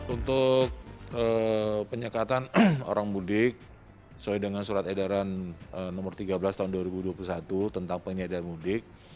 untuk penyekatan orang mudik sesuai dengan surat edaran nomor tiga belas tahun dua ribu dua puluh satu tentang penyediaan mudik